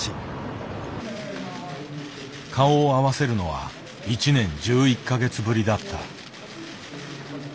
顔を合わせるのは１年１１か月ぶりだった。